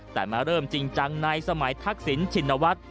แต่มาเริ่มจริงจังในสมัยทักษิณชินวัฒน์